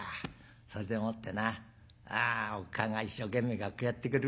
それでもってなおっかあが一生懸命学校やってくれる。